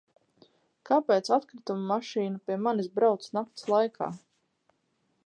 Kāpēc atkritumu mašīna pie manis brauc nakts laikā?